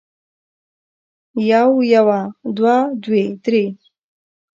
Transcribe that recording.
يو يوه دوه دوې درې